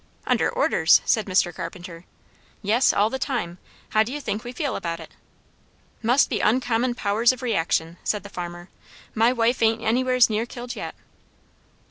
"Under orders!" said Mr. Carpenter. "Yes, all the time. How d'you think we feel about it?" "Must be uncommon powers of reaction," said the farmer. "My wife a'n't anywheres near killed yet."